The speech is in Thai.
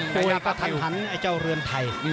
พูดอย่างประทันไอ้เจ้าเรือนไทย